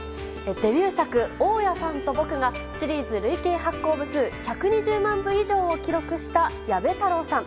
デビュー作「大家さんと僕」がシリーズ累計発行部数１２０万部以上を記録した矢部太郎さん。